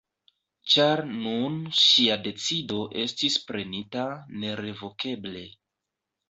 Ĉar nun ŝia decido estis prenita nerevokeble.